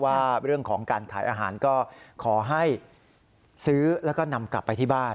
ว่าเรื่องของการขายอาหารก็ขอให้ซื้อแล้วก็นำกลับไปที่บ้าน